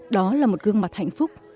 đó là một gương mặt hạnh phúc